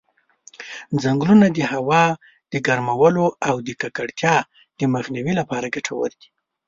ځنګلونه د هوا د ګرمولو او د ککړتیا د مخنیوي لپاره ګټور دي.